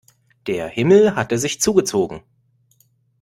Der Himmel hatte sich zugezogen.